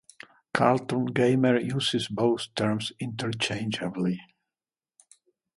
Carlton Gamer uses both terms interchangeably.